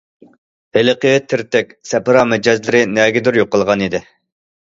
ھېلىقى تىرتەك، سەپرا مىجەزلىرى نەگىدۇر يوقالغانىدى.